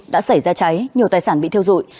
đã xảy ra cháy nhiều tài sản bị thiêu dụi